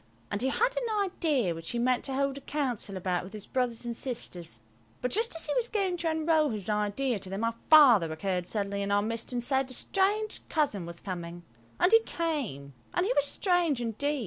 And he had an idea which he meant to hold a council about with his brothers and sisters; but just as he was going to unroll his idea to them our Father occurred suddenly in our midst and said a strange cousin was coming, and he came, and he was strange indeed!